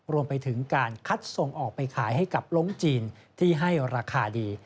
รวมไปถึงการคัดส่งออกไปขายให้กับลงจีนที่ให้ราคาดี